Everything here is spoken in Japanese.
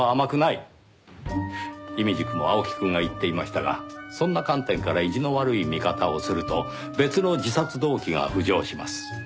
いみじくも青木くんが言っていましたがそんな観点から意地の悪い見方をすると別の自殺動機が浮上します。